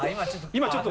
今ちょっと。